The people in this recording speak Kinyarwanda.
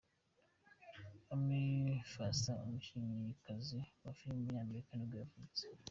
Ami Foster, umukinnyikazi wa film w’umunyamerika nibwo yavutse.